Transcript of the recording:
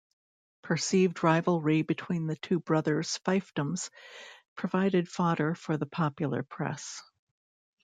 Perceived rivalry between the two brothers' fiefdoms provided fodder for the popular press.